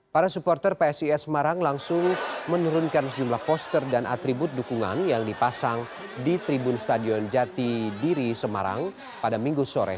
para supporter psis semarang langsung menurunkan sejumlah poster dan atribut dukungan yang dipasang di tribun stadion jati diri semarang pada minggu sore